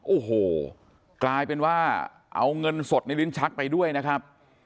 โอ้โหกลายเป็นว่าเอาเงินสดในลิ้นชักไปด้วยนะครับ